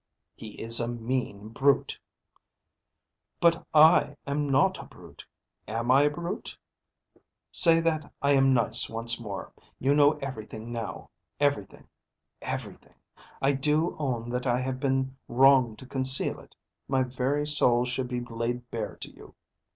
"He is a mean brute." "But I am not a brute. Am I a brute? Say that I am nice once more. You know everything now, everything, everything. I do own that I have been wrong to conceal it. My very soul should be laid bare to you."